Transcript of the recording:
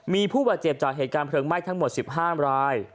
มีผู้บาดเจ็บจากเหตุการณ์เพลิงไหม้ทั้งหมด๑๕ราย